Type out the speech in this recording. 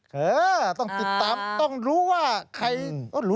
เออต้องติดตามต้องรู้ว่าใครรู้